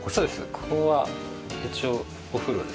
ここが一応お風呂ですね。